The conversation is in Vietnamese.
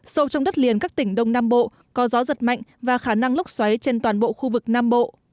sâu trong đất liền các tỉnh đông nam bộ có gió giật mạnh và khả năng lốc xoáy trên toàn bộ khu vực nam bộ